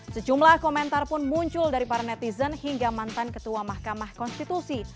sejumlah komentar pun muncul dari para netizen hingga mantan ketua mahkamah konstitusi